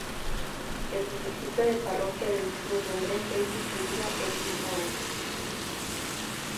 El municipio de parroquia de mismo nombre fue instituido en mismo año.